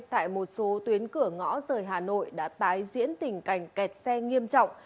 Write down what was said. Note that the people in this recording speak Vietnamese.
tại một số tuyến cửa ngõ rời hà nội đã tái diễn tình cảnh kẹt xe nghiêm trọng